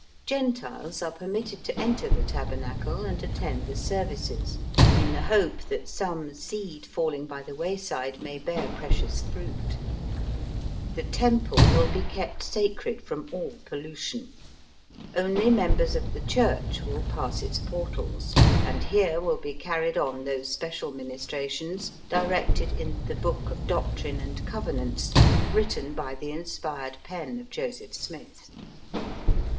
Gentiles are permitted to enter the Taber nacle and attend the services, in the hope that VOL. I. 7 Digitized by VjOOQIC 98 EAST BY WEST. some seed falling by the wayside may bear precious fruit. The Temple will be kept sacred from all pollution. Only members of the Church will pass its portals, and here will be carried on those special ministrations directed in " The Book of Doctrine and Covenants," written by the inspired pen of Joseph Smith.